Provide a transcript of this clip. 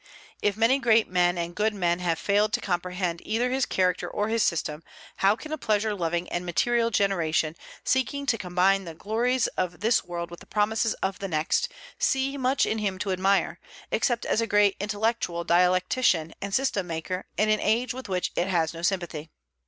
If many great men and good men have failed to comprehend either his character or his system, how can a pleasure loving and material generation, seeking to combine the glories of this world with the promises of the next, see much in him to admire, except as a great intellectual dialectician and system maker in an age with which it has no sympathy?